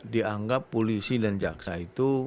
dianggap polisi dan jaksa itu